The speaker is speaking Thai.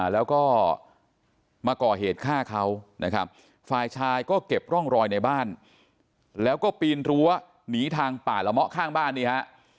แล้วก็มาก่อเหตุฆ่าเขานะครับฝ่ายชายก็เก็บร่องรอยในบ้านแล้วก็ปีนรั้วหนีทางป่าละเมาะข้างบ้านนี่ฮะ